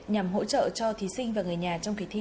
nhằm hỗ trợ cho thí sinh và người nhà trong kỳ thi